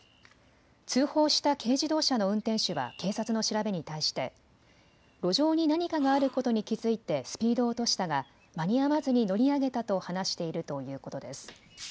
通報した軽自動車の運転手は警察の調べに対して路上に何かがあることに気付いてスピードを落としたが間に合わずに乗り上げたと話しているということです。